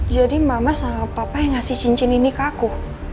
jadi mama sama papa yang ngasih cincin ini ke aku